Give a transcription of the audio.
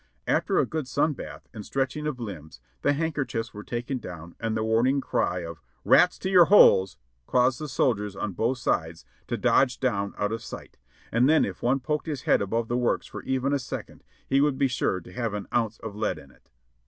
After a good sun bath and stretching of limbs the handker chiefs were taken down and the warning cry of "Rats to your holes !" caused the soldiers of both sides to dodge down out of sight, and SHADOWS 687 then if one poked his head above the works for even a second he would be sure to have an ounce of lead in it.